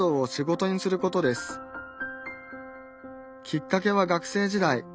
きっかけは学生時代。